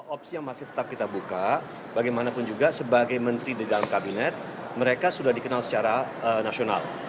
opsi yang masih tetap kita buka bagaimanapun juga sebagai menteri di dalam kabinet mereka sudah dikenal secara nasional